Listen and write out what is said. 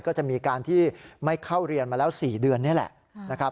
ก็จะมีการที่ไม่เข้าเรียนมาแล้ว๔เดือนนี่แหละนะครับ